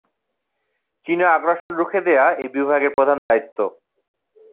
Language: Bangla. চীনা আগ্রাসন রুখে দেয়া এই বিভাগের প্রধান দায়িত্ব।